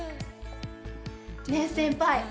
ねえ先輩。